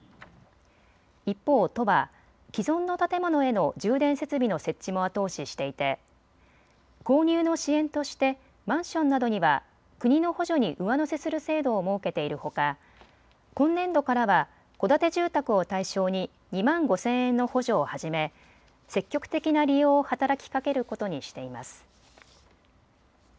一方、都は既存の建物への充電設備の設置も後押ししていて購入の支援としてマンションなどには国の補助に上乗せする制度を設けているほか今年度からは戸建て住宅を対象に２万５０００円の補助を始め積極的な利用を働きかけることにしています。